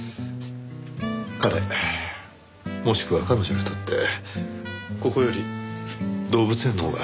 彼もしくは彼女にとってここより動物園のほうが幸せです。